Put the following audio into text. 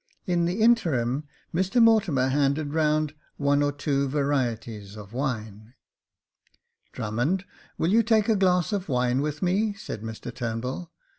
In the interim, Mr Mortimer handed round one or two varieties of wine. " Drummond, will you take a glass of wine with me ?" said Mr Turnbull.